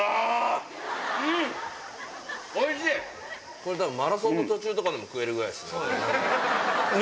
これ、たぶんマラソンの途中とかでも食えるぐらいですね。